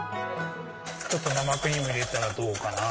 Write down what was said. ちょっと生クリーム入れたらどうかな。